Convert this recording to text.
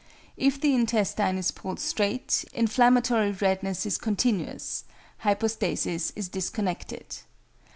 If the intestine is pulled straight, inflammatory redness is continuous, hypostasis is disconnected.